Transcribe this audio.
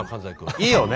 いいよね？